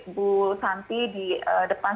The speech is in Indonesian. bu santi di depan